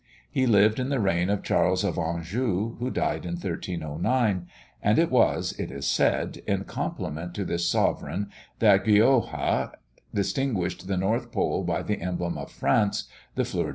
He lived in the reign of Charles of Anjou, who died in 1309; and it was, it is said, in compliment to this Sovereign that Gioja distinguished the North Pole by the emblem of France, the fleur de lis.